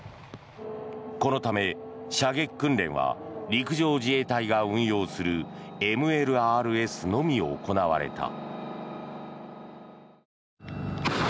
このため、射撃訓練は陸上自衛隊が運用するＭＬＲＳのみ行われた。